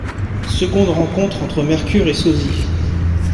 Seconde rencontre entre Mercure et Sosie.